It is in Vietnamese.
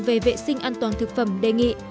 về vệ sinh an toàn thực phẩm đề nghị